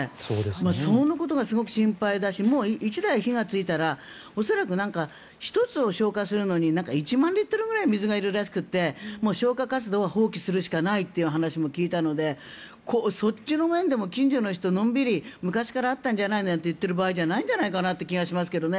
そのことがすごく心配だし１台火がついたら恐らく、１つを消火するのに１万リットルくらい水がいるらしくて消火活動は放棄するしかないという話も聞いたのでそっちの面でも近所の人はのんびり昔からあったんじゃないの？と言ってる場合じゃない気がしますけどね。